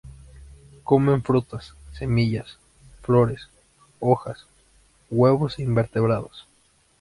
Comen frutas, semillas, flores, hojas, huevos e invertebrados.